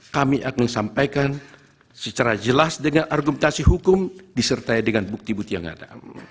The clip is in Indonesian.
kami akan sampaikan secara jelas dengan argumentasi hukum disertai dengan bukti bukti yang ada